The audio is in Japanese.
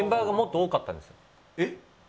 えっ？